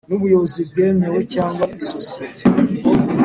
N ubuyobozi bwemewe cyangwa isosiyete